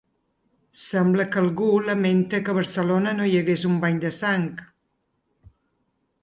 Sembla que algú lamenta que a Barcelona no hi hagués un bany de sang.